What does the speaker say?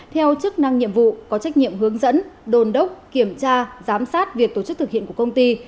theo chức năng nhiệm vụ có trách nhiệm hướng dẫn đồn đốc kiểm tra giám sát việc tổ chức thực hiện của công ty